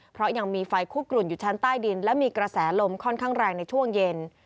เพราะยังมีไฟคุกกลุ่นอยู่ชั้นใต้ดินและมีกระแสลมค่อนข้างแรงในช่วงเย็น